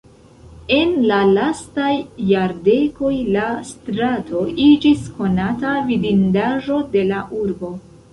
En la lastaj jardekoj, la strato iĝis konata vidindaĵo de la urbo.